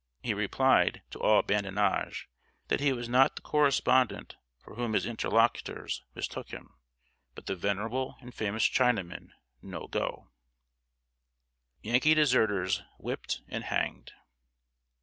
He replied to all badinage that he was not the correspondent for whom his interlocutors mistook him, but the venerable and famous Chinaman "No Go." [Sidenote: YANKEE DESERTERS WHIPPED AND HANGED.